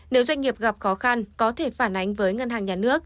nếu doanh nghiệp gặp khó khăn có thể phản ánh với ngân hàng nhà nước